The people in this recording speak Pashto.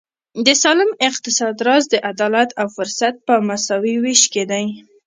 د سالم اقتصاد راز د عدالت او فرصت په مساوي وېش کې دی.